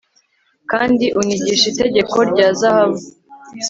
kandi unyigishe itegeko rya zahabu